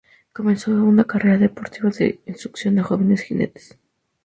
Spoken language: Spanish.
Comenzó una carrera deportiva y de instrucción a jóvenes jinetes.